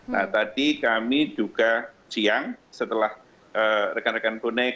nah tadi kami juga siang setelah rekan rekan bonek